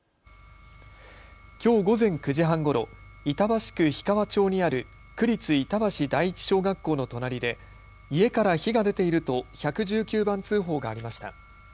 きょう午前９時半ごろ、板橋区氷川町にある区立板橋第一小学校の隣で家から火が出ていると１１９番通報がありました。